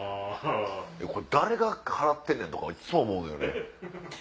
これ誰が払ってねん？とかいつも思うのよね。